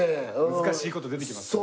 難しいこと出てきますかね。